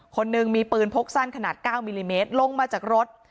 คนหนึ่งมีปืนพกสั้นขนาด๙มิลลิเมตรลงมาจากรถ